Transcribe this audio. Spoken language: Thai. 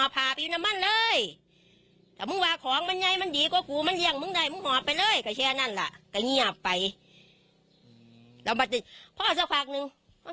กะเจ้นเด็กชื่นวาลจะมีเหตุการณ์นั้นเกิดขึ้น